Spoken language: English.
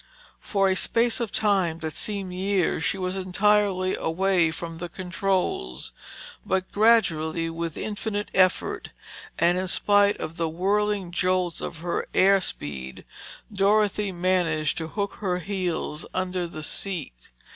For a space of time that seemed years, she was entirely away from the controls. But gradually, with infinite effort and in spite of the whirling jolts of her air steed, Dorothy managed to hook her heels under the seat.